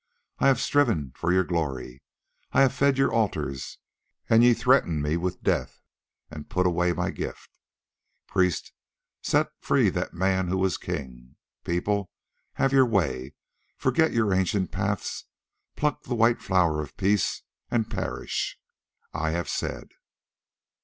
I have striven for your glory, I have fed your altars, and ye threaten me with death and put away my gift. Priests, set free that man who was king. People, have your way, forget your ancient paths, pluck the white flower of peace—and perish! I have said."